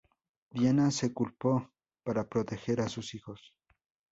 Diana se culpó para proteger a sus hijos.